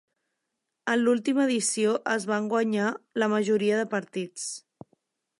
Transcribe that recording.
En l'última edició es van guanyar la majoria de partits.